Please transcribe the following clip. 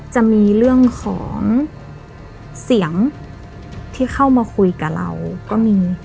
จะมีเรื่องของเสียงที่เข้ามาคุยกับเราก็มี